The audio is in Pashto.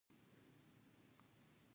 د سرپل په ګوسفندي کې د تیلو څاګانې دي.